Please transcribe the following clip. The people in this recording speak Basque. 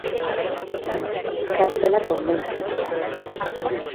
Ikasgela konbentzionalak